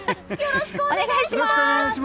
よろしくお願いします！